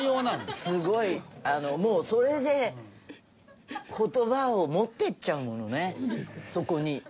もうそれで言葉を持っていっちゃうものねそこに。